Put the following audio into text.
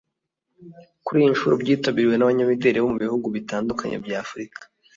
kuri iyi nshuro byitabiriwe n’Abanyamideli bo mu bihugu bitandukanye bya Afurika